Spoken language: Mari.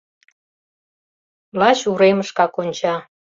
Лач уремышкак онча.